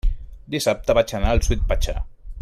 Dissabte vaig anar al Sweet Pachá.